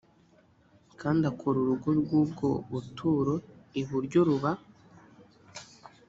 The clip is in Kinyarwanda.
kandi akora urugo rw ubwo buturo iburyo ruba